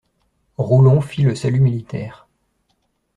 Roulon fit le salut militaire.